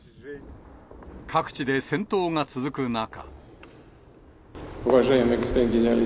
各地で戦闘が続く中。